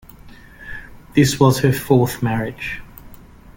This was her fourth marriage.